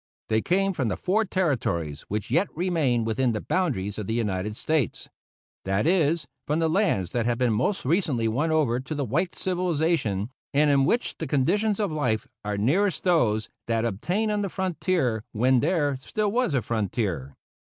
They came from the Four Territories which yet remained within the boundaries of the United States; that is, from the lands that have been most recently won over to white civilization, and in which the conditions of life are nearest those that obtained on the frontier when there still was a frontier.